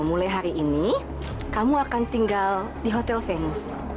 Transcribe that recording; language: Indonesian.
mulai hari ini kamu akan tinggal di hotel venus